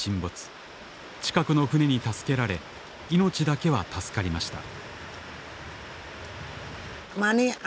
近くの船に助けられ命だけは助かりました。